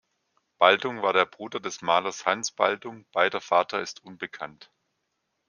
Baldung war der Bruder des Malers Hans Baldung, beider Vater ist unbekannt.